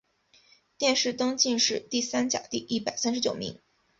殿试登进士第三甲第一百三十九名。